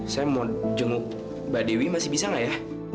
saya mau jenguk mbak dewi masih bisa nggak ya